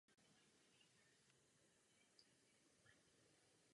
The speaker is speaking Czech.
Město leží na březích jezera Ontario severozápadně od města Syracuse.